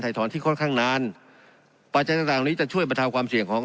ไทยทรที่ค่อนข้างนานปัจจัยทางดังนี้จะช่วยประทาวน์ความเสี่ยงของ